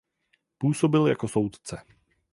Působil jako soudce.